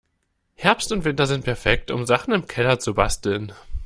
Herbst und Winter sind perfekt, um Sachen im Keller zu basteln.